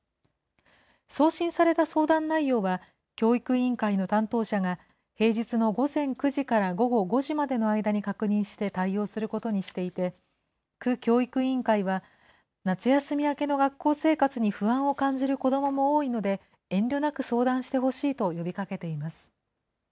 送信された相談内容は、教育委員会の担当者が、平日の午前９時から午後５時までの間に確認して対応することにしていて、区教育委員会は、夏休み明けの学校生活に不安を感じる子どもも多いので、遠慮なく相談してほしいと呼びかけています。